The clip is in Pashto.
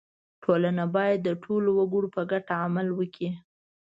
• ټولنه باید د ټولو وګړو په ګټه عمل وکړي.